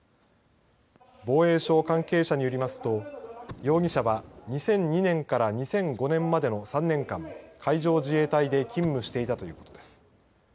防衛省関係者によりますと容疑者は２００２年から２００５年までの３年間海上自衛隊で勤務していたということです。